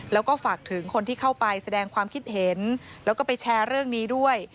แล้วก็ฝากถึงคนที่เข้าไปแสดงความคิดเห็นแล้วก็ไปแชร์เรื่องนี้ด้วย